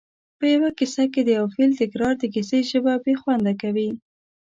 په یوه کیسه کې د یو فعل تکرار د کیسې ژبه بې خونده کوي